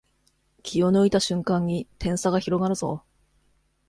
気を抜いた瞬間に点差が広がるぞ